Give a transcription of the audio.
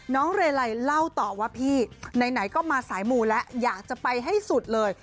เรไลเล่าต่อว่าพี่ไหนก็มาสายมูแล้วอยากจะไปให้สุดเลย